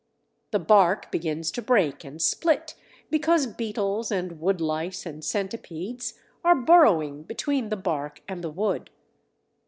The bark begins to break and split because beetles and woodlice and centipedes are burrowing between the bark and the wood.